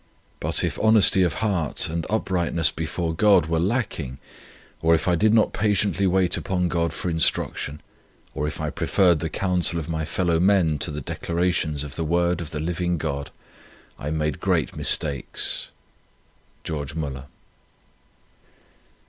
But if honesty of heart and uprightness before God were lacking, or if I did not patiently wait upon God for instruction, or if I preferred the counsel of my fellow men to the declarations of the Word of the living God, I made great mistakes." GEORGE MÜLLER.